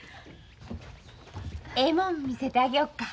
ええもん見せてあげよっか。